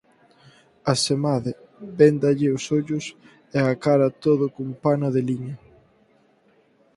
Asemade, véndalle os ollos e a cara toda cun pano de liño.